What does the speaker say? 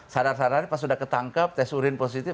sadar sadar pas sudah ketangkep tes urin positif